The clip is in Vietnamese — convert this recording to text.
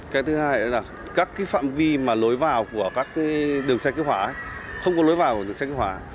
cái thứ hai là các phạm vi mà lối vào của các đường xe cứu hỏa không có lối vào của đường xe cứu hỏa